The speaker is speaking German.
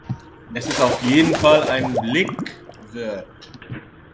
Es ist auf jeden Fall einen Blick wert.